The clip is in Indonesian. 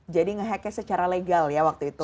jadi nge hacknya secara legal ya waktu itu